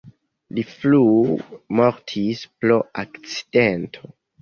Li frue mortis pro akcidento.